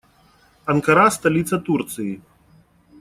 Анкара - столица Турции.